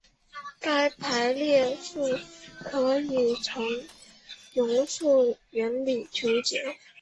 该排列数可以用容斥原理求解。